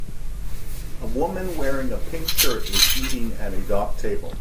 A woman wearing a pink shirt is eating at a dark table.